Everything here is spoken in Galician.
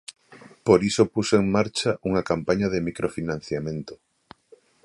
Por iso puxo en marcha unha campaña de microfinanciamento.